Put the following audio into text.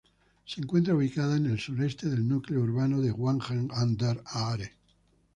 Se encuentra ubicada en el sureste del núcleo urbano de Wangen an der Aare.